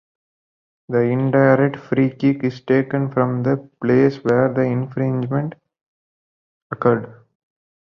The indirect free kick is taken from the place where the infringement occurred.